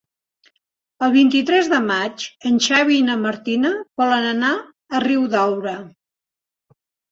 El vint-i-tres de maig en Xavi i na Martina volen anar a Riudaura.